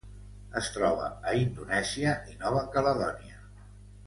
Es troba a Indonèsia i Nova Caledònia.